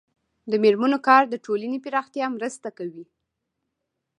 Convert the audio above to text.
د میرمنو کار د ټولنې پراختیا مرسته کوي.